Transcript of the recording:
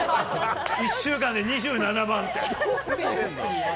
１週間で２７万って。